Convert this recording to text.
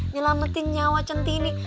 nyelametin nyawa centini